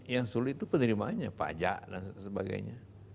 yang sulit itu penerimaannya pajak dan sebagainya